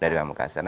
dari pak mekasan